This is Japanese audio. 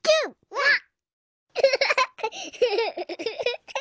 わっ！